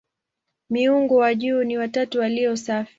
Miungu wa juu ni "watatu walio safi".